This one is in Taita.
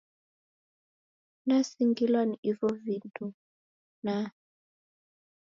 Nasingilwa ni ivo vindu naa!